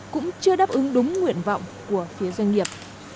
cũng chưa đáp ứng đúng nguyện vọng của phía doanh nghiệp